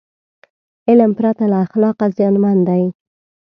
علم پرته له اخلاقه زیانمن دی.